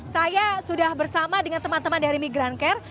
saya sudah bersama dengan teman teman dari migrancare